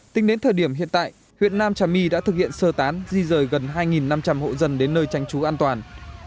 tính đến thời điểm hiện tại huyện nam trà my đã thực hiện sơ tán di rời gần hai năm trăm linh hộ dân đến nơi tránh trú an toàn